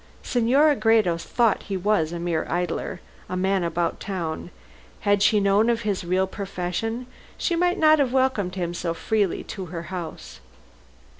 Senora Gredos thought he was a mere idler, a man about town. Had she known of his real profession she might not have welcomed him so freely to her house.